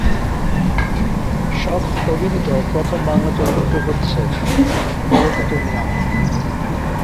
শখ অভিনীত প্রথম বাংলা চলচ্চিত্র হচ্ছে: "বলো না তুমি আমার"।